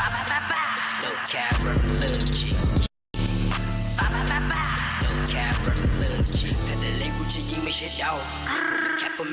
มันน่าเสียดายนะคะ